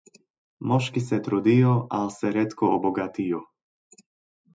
Moški se trudijo, a se redko obogatijo.